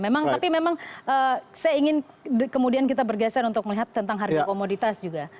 memang tapi memang saya ingin kemudian kita bergeser untuk melihat tentang harga komoditas juga